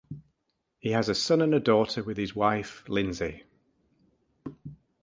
He has a son and a daughter with his wife, Lindsay.